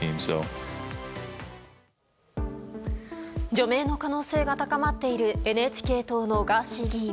除名の可能性が高まっているＮＨＫ党のガーシー議員。